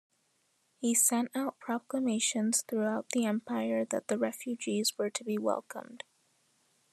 He sent out proclamations throughout the empire that the refugees were to be welcomed.